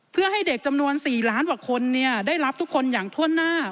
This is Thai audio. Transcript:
เพื่อให้เด็กจำนวน๔ล้านกว่าคนได้รับทุกคนอย่างถ้วนหน้า